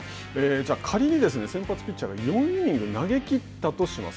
じゃあ、仮に先発ピッチャーが４イニングス投げきったとします。